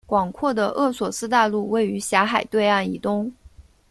广阔的厄索斯大陆位于狭海对岸以东。